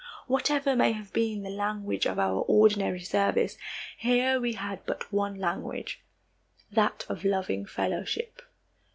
Whatever may have been the language of our ordinary service, here we had but one language that of loving fellowship.